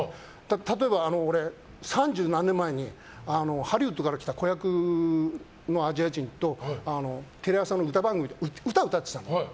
例えば、三十何年前にハリウッドから来た子役のアジア人とテレ朝の歌番組で歌を歌ってたの。